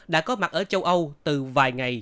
đã có mặt ở châu âu từ vài ngày